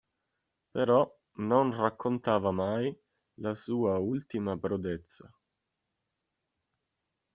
Però non raccontava mai la sua ultima prodezza.